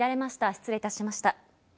失礼いたしました。